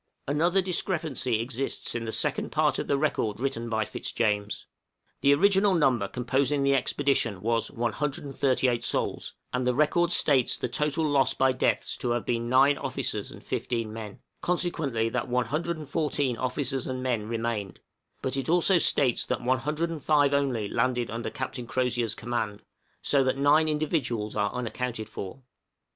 } Another discrepancy exists in the second part of the record written by Fitzjames. The original number composing the expedition was 138 souls, and the record states the total loss by deaths to have been 9 officers and 15 men, consequently that 114 officers and men remained; but it also states that 105 only landed under Captain Crozier's command, so that 9 individuals are unaccounted for.